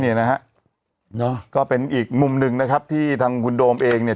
เนี่ยนะฮะเนอะก็เป็นอีกมุมหนึ่งนะครับที่ทางคุณโดมเองเนี่ย